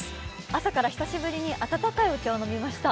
朝から久しぶりに温かいお茶を飲みました。